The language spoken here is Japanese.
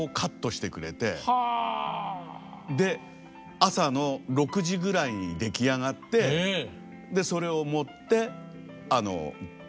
朝の６時ぐらいに出来上がってそれを持って劇場に向かった。